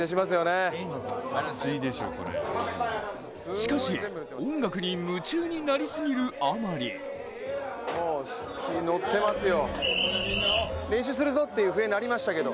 しかし、音楽に夢中になりすぎるあまり乗ってますよ。